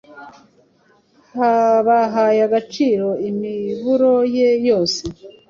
Bahaye agaciro imiburo ye yose